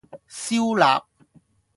燒臘